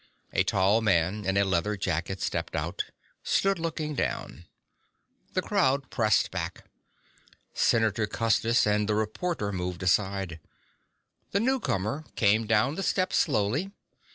A tall man in a leather jacket stepped out, stood looking down. The crowd pressed back. Senator Custis and the reporter moved aside. The newcomer came down the steps slowly.